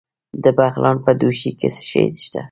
د بغلان په دوشي کې څه شی شته؟